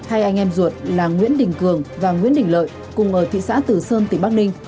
hai anh em ruột là nguyễn đình cường và nguyễn đình lợi cùng ở thị xã tử sơn tỉnh bắc ninh